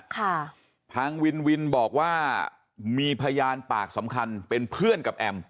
ทางวินวินบอกว่ามีพยานปากสำคัญเป็นเพื่อนกับแอม